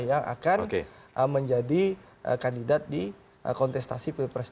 yang akan menjadi kandidat di kontestasi pilpres dua ribu dua puluh